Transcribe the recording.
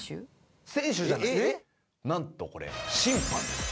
なんとこれ審判です。